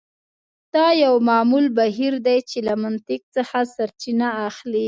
دا یو معمول بهیر دی چې له منطق څخه سرچینه اخلي